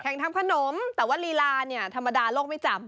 ทำขนมแต่ว่าลีลาเนี่ยธรรมดาโลกไม่จำ